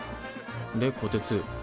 でこてつ。